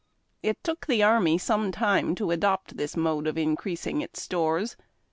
It took the army some time to adopt this mode of increasing its stores.